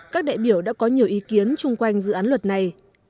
các đại biểu đã có nhiều ý kiến chung quanh dự án luật này